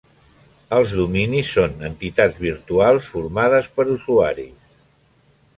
Els dominis són entitats virtuals formades per usuaris.